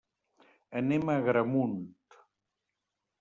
Anem a Agramunt.